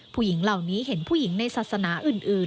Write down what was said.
ผู้หญิงเหล่านี้เห็นผู้หญิงในศาสนาอื่น